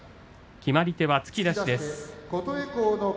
決まり手、突き出しです。